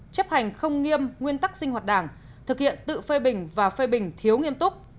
chấp hành không nghiêm nguyên tắc sinh hoạt đảng thực hiện tự phê bình và phê bình thiếu nghiêm túc